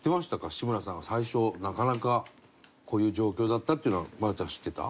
志村さんが最初なかなかこういう状況だったっていうのは愛菜ちゃん知ってた？